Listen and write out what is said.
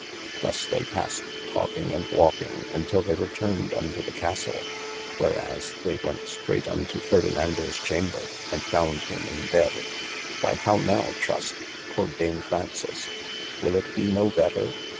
Thus they passed i talkeing and walking untill they returned unto the Castle, \ whereas they went strayght unto Ferdinandoes chamber, and found him in bed. Why how now Trust (quod Dame Fraunces?) will it be no better